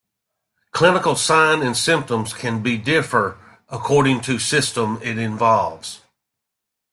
Clinical sign and symptoms can be differ according to system it involves.